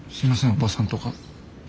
おばさんとか。